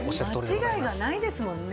間違いがないですもんね？